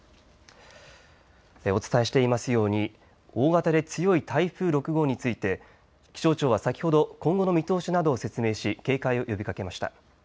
お伝えしていますように大型で強い台風６号について気象庁は先ほど今後の見通しなどを説明し警戒を呼びかけました。